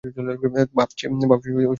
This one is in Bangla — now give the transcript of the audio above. ভাবছে সে বুঝে ফেলবে।